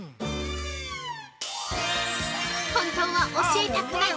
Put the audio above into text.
本当は教えたくない！